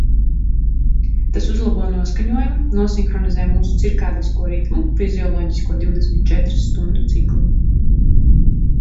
Tas uzlabo noskaņojumu, nosinhronizē mūsu cirkādisko ritmu – fizioloģisko divdesmit četras stundu ciklu.